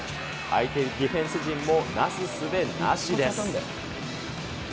相手ディフェンス陣もなすすべなしです。